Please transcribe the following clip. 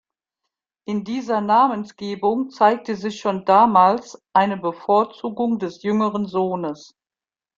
In dieser Namensgebung zeigte sich schon damals eine Bevorzugung des jüngeren Sohnes.